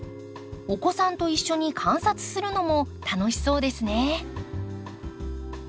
お子さんと一緒に観察するのも楽しそうですね。